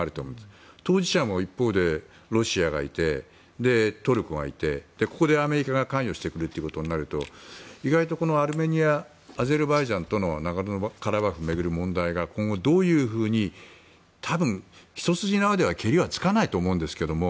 一方、当事者もロシアがいてトルコがいて、ここでアメリカが関与してくるとなると意外とアルメニアアゼルバイジャンのナゴルノカラバフを巡る問題というのは今後、どういうふうにひと筋縄では多分、けりはつかないと思うんですけれども。